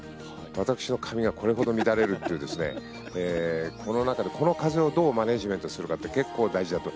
私の髪がこれほど乱れるというこの中でこの風をどうマネジメントするかって結構大事だと。